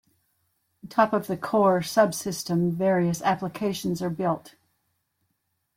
On top of the core subsystem various applications are built.